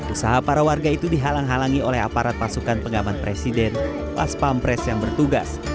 usaha para warga itu dihalang halangi oleh aparat pasukan pengaman presiden pas pampres yang bertugas